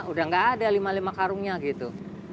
udah gak ada lima lima karungnya gitu